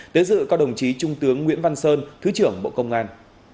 tới dự có đồng chí trung tướng nguyễn văn sơn thứ trưởng bộ công an